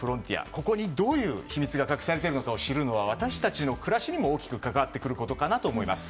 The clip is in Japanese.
ここにどういう秘密が隠されているのかを知るのは私たちの暮らしにも大きく関わってくることかと思います。